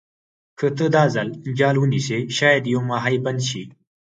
که ته دا ځل جال ونیسې شاید یو ماهي بند شي.